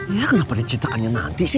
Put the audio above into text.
ya kenapa ada cintaannya nanti sih